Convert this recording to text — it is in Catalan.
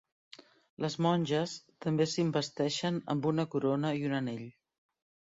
Les monges també s'investeixen amb una corona i un anell.